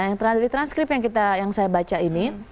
yang terhadap transkrip yang saya baca ini